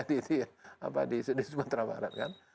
sudah ada berusaha di sumatera barat kan